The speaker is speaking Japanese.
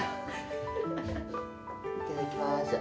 いただきます。